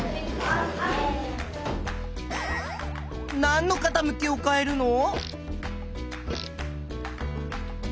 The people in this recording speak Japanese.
なんのかたむきを変えるの？